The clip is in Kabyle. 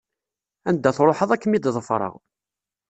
Anda truḥeḍ ad kem-id-ḍefreɣ.